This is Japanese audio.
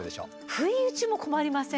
不意打ちも困りません？